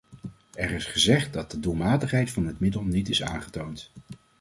Er is gezegd dat de doelmatigheid van dit middel niet is aangetoond.